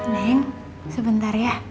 neneng sebentar ya